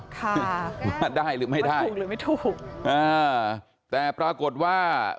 ค่ะว่าได้หรือไม่ได้ถูกหรือไม่ถูกอ่าแต่ปรากฏว่า